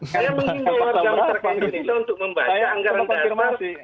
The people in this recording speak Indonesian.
saya mungkin di luar jam terakhir ini itu untuk membaca anggaran daerah